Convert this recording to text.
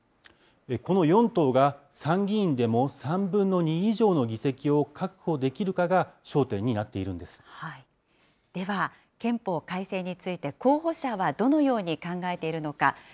この４党が、参議院でも３分の２以上の議席を確保できるかが焦点になっているでは憲法改正について、候補者はどのように考えているのか。